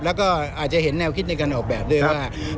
แล้วก็อาจจะเห็นแนวคิดในการออกแบบด้วยว่า